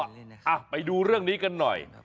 ไปดูเรื่องนี้กันหน่อย